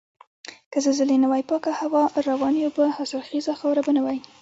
که زلزلې نه وای پاکه هوا، روانې اوبه، حاصلخیزه خاوره به نه وای.